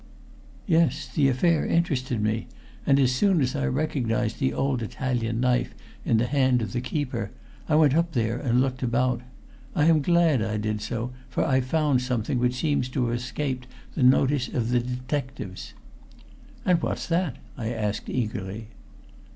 "Yes. The affair interested me, and as soon as I recognized the old Italian knife in the hand of the keeper, I went up there and looked about. I am glad I did so, for I found something which seems to have escaped the notice of the detectives." "And what's that?" I asked eagerly.